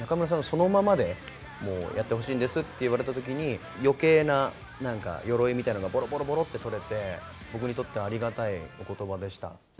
そのままでもうやってほしいんですって言われたときに、よけいななんかよろいみたいなのがぼろぼろぼろって取れて、僕にとってはありがたいおことばでした。